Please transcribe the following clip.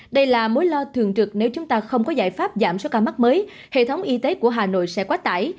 đây là mối lo thường trực nếu chúng ta không có giải pháp giảm số ca mắc mới hệ thống y tế của hà nội sẽ quá tải